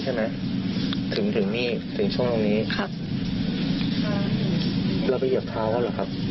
แล้วไปเหยียบเท้าเขาเหรอครับ